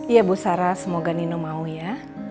ya bu sarah semoga nino mau ya